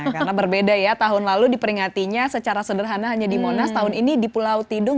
karena berbeda ya tahun lalu diperingatinya secara sederhana hanya di monas tahun ini di pulau tidung